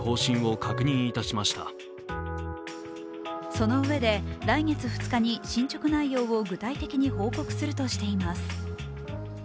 そのうえで来月２日に進捗内容を具体的に報告するとしています。